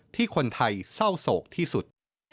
ที่คนไทยเศร้าโศกที่สุด